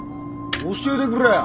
教えてくれよ。